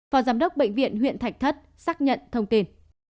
phó giám đốc bệnh viện huyện thạch thất xác nhận thông tin